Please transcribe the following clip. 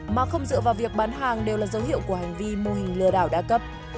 mà không dựa vào việc bán hàng đều là dấu hiệu của hành vi mô hình lừa đảo đã cấp